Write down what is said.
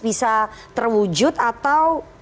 bisa terwujud atau